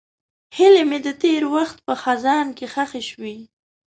هیلې مې د تېر وخت په خزان کې ښخې شوې.